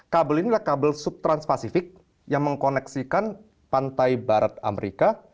kabel inilah kabel subtrans pasifik yang mengkoneksikan pantai barat amerika